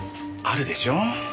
あるでしょう。